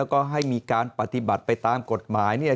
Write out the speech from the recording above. แล้วก็ให้มีการปฏิบัติไปตามกฎหมายเนี่ย